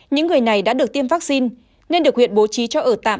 những người này đã được tiêm vaccine nên được huyện bố trí cho ở tạm